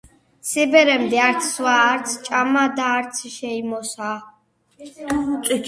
სიბერემდე არც სვა, არც ჭამა და არც შეიმოსა.